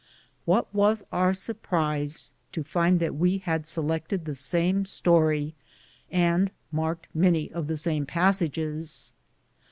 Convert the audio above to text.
What was our surprise to find that we had selected the same story, and marked many of the same passages!